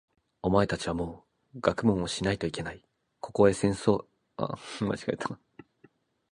お前たちはもう学問をしないといけない。ここへ先生をたのんで来たからな。